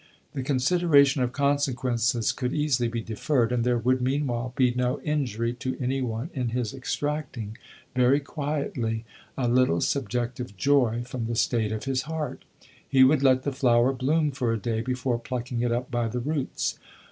The consideration of consequences could easily be deferred, and there would, meanwhile, be no injury to any one in his extracting, very quietly, a little subjective joy from the state of his heart. He would let the flower bloom for a day before plucking it up by the roots.